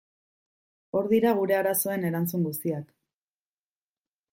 Hor dira gure arazoen erantzun guziak.